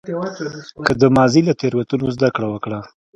که د ماضي له تېروتنو زده کړه وکړه.